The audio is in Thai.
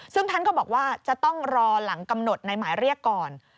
ซึ่งท่านก็บอกว่าจะต้องรอหลังกำหนดในหมายเรียกก่อน